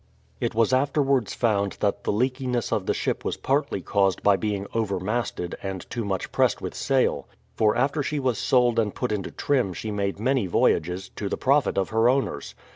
It was afterwards found that the leakiness of the ship was partly caused by being overmasted and too much pressed with sail ; for after she was sold and put into trim she made many voyages, to the profit of her owners.